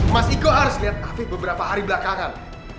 mas iko harus lihat afif beberapa hari belakangan